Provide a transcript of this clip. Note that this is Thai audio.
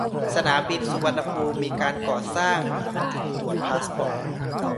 สนามบินสุรรณภูมิมีการก่อสร้างหลังจุดตรวจพาสปอร์ต